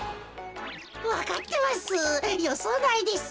わかってます。